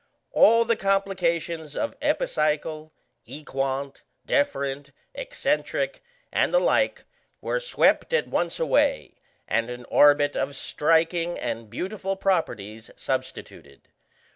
All the complications of epicycle, equant, deferent, excentric, and the like, were swept at once away, and an orbit of striking and beautiful properties substituted.